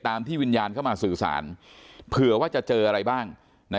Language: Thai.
ที่วิญญาณเข้ามาสื่อสารเผื่อว่าจะเจออะไรบ้าง